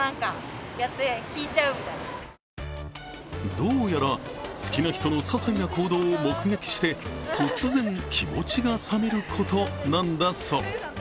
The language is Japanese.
どうやら好きな人のささいな行動を目撃して突然、気持ちが冷めることなんだそう。